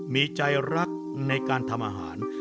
มีใจรักในการทำอาหาร